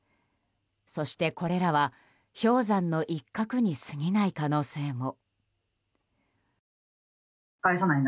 そして、これらは氷山の一角にすぎない可能性も。